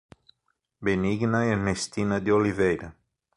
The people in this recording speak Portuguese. Benigna Ernestina de Oliveira